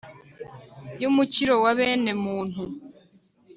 y'umukiro wa bene muntu